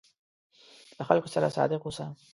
له خلکو سره صادق اوسه.